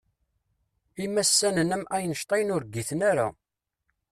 Imassanen am Einstein ur ggiten ara.